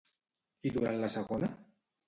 I durant la segona?